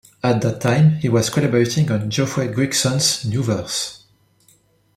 At that time he was collaborating on Geoffrey Grigson's "New Verse".